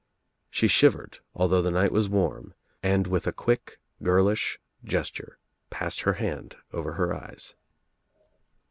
She shlv ;red although the night was warm and with a quick gesture passed her hand over her eyes.